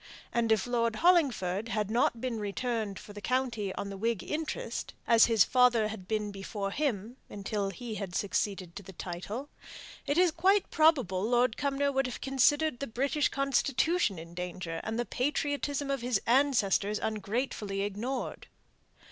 And if Lord Hollingford had not been returned for the county on the Whig interest as his father had been before him, until he had succeeded to the title it is quite probable Lord Cumnor would have considered the British constitution in danger, and the patriotism of his ancestors ungratefully ignored.